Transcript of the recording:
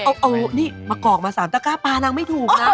นางเอานี่มะกอกมาสามต่างกากปลานางไม่ถูกนะ